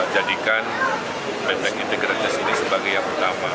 jadikan bandung integritas ini sebagai yang pertama